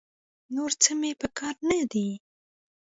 نور څه مې په کار نه دي.